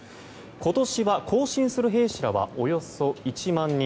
今年は行進する兵士らはおよそ１万人。